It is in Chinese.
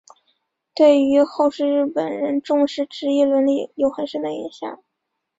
对于后世日本人重视职业伦理有很深的影响。